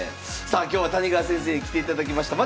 さあ今日は谷川先生に来ていただきました。